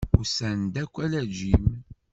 Usan-d akk, ala Jim.